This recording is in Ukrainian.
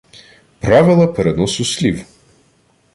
Правила переносу слів